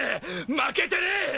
負けてねえ！